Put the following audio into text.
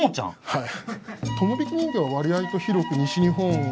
はい。